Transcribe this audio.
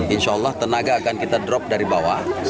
insya allah tenaga akan kita drop dari bawah